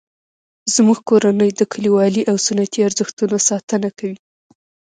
زموږ کورنۍ د کلیوالي او سنتي ارزښتونو ساتنه کوي